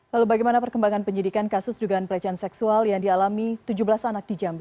lalu bagaimana perkembangan penyidikan kasus dugaan pelecehan seksual yang dialami tujuh belas anak di jambi